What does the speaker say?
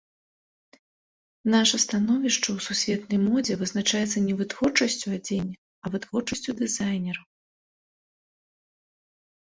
Наша становішча ў сусветнай модзе вызначаецца не вытворчасцю адзення, а вытворчасцю дызайнераў.